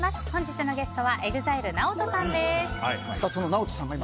本日のゲストはＥＸＩＬＥＮＡＯＴＯさんです。